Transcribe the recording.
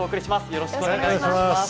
よろしくお願いします。